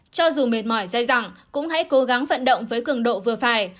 cho dù mệt mỏi dài dẳng cũng hãy cố gắng vận động với cường độ vừa phải